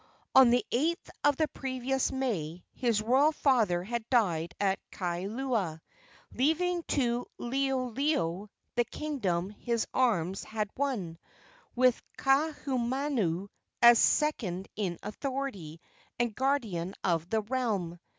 On the 8th of the previous May his royal father had died at Kailua, leaving to Liholiho the kingdom his arms had won, with Kaahumanu as second in authority and guardian of the realm.